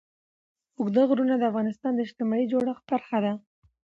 اوږده غرونه د افغانستان د اجتماعي جوړښت برخه ده.